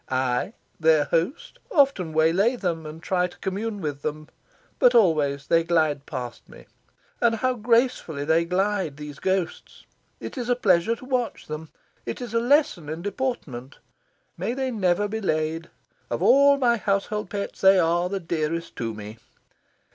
I, their host, often waylay them and try to commune with them; but always they glide past me. And how gracefully they glide, these ghosts! It is a pleasure to watch them. It is a lesson in deportment. May they never be laid! Of all my household pets, they are the dearest to me.